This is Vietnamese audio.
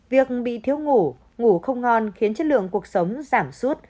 việc bị thiếu ngủ ngủ không ngon khiến chất lượng cuộc sống giảm sút